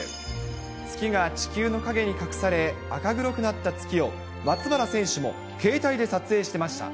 月が地球の陰に隠され、赤黒くなった月を、松原選手も携帯で撮影していました。